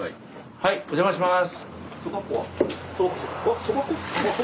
はいお邪魔します。